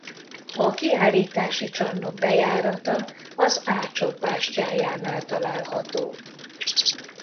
A kiállítási csarnok bejárata az Ácsok bástyájánál található.